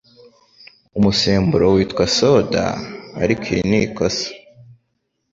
umusemburo witwa ‘soda’, ariko iri ni ikosa.